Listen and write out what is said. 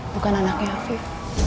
bukan anaknya afif